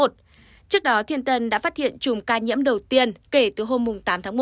trước đó thiên tân đã phát hiện chùm ca nhiễm đầu tiên kể từ hôm tám tháng một